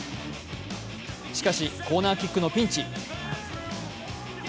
しかし、コーナーキックのピンチ。